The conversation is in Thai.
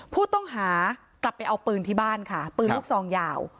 ผู้ต้องหากลับไปเอาปืนที่บ้านค่ะปืนลูกซองยาว